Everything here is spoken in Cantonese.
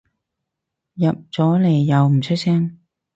入咗嚟又唔出聲